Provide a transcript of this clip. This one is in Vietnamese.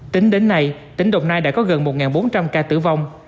tính đến nay tỉnh đồng nai đã có gần một bốn trăm linh ca tử vong